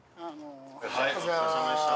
お疲れさまでした。